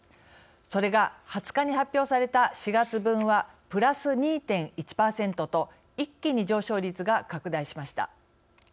それが、２０日に発表された４月分はプラス２．１％と一気に上昇率が拡大しました。